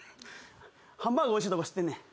ハンバーグおいしいとこ知ってんねん。